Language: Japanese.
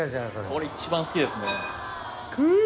これ一番好きですねクゥ！